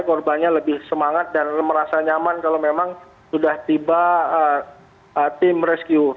korbannya lebih semangat dan merasa nyaman kalau memang sudah tiba tim rescue